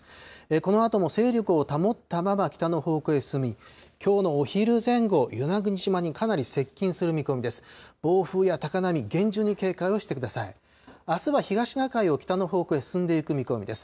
このあとも勢力を保ったまま北の方向へ進み、きょうのお昼前後、与那国島にかなり接近する見込みです。